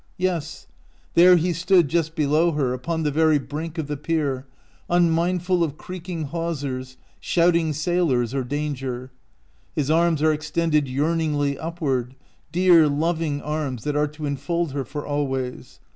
Yes, there he stood just be low her, upon the very brink of the pier, unmindful of creaking hawsers, shouting sailors, or danger. His arms are extended yearningly upward — dear, loving arms that are to enfold her for always.